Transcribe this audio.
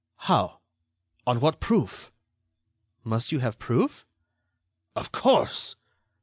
"How? On what proof?" "Must you have proof?" "Of course."